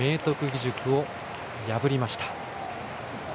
義塾を破りました。